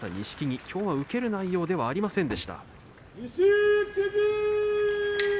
錦木きょうは、受ける内容ではありませんでした。